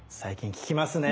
聞きます？